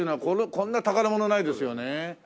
こんな宝物ないですよね。